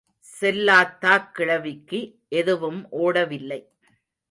செல்லாத்தாக் கிழவிக்கு எதுவும் ஓடவில்லை.